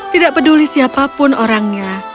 tidak peduli siapapun orangnya